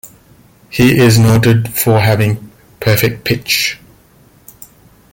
He is noted for having perfect pitch.